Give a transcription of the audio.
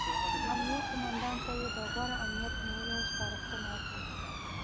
امنیه قوماندان ته یې د غوره امنیت نیولو سپارښتنه وکړه.